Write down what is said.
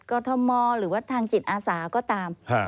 กรทมหรือว่าทางจิตอาสาก็ตาม